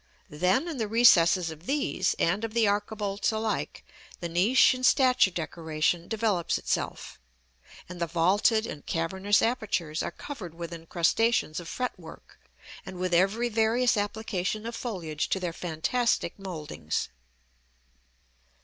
Then, in the recesses of these and of the archivolts alike, the niche and statue decoration develops itself; and the vaulted and cavernous apertures are covered with incrustations of fretwork, and with every various application of foliage to their fantastic mouldings.